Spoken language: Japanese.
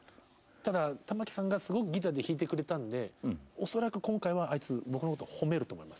ただ玉置さんがすごくギターで弾いてくれたので恐らく今回はあいつは僕のことを褒めると思います。